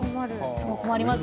そう困りますよね。